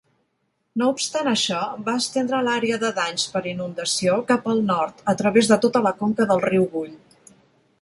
No obstant això, va estendre l'àrea de danys per inundació cap al nord a través de tota la conca del riu Gull.